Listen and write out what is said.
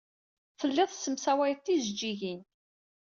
Telliḍ tessemsawayeḍ tijejjigin.